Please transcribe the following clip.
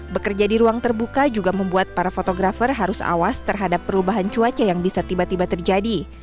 bekerja di ruang terbuka juga membuat para fotografer harus awas terhadap perubahan cuaca yang bisa tiba tiba terjadi